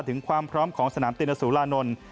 ถึงความพร้อมของสนามตินสุรานนท์